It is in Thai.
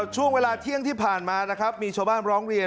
ช่วงเวลาเที่ยงที่ผ่านมานะครับมีชาวบ้านร้องเรียน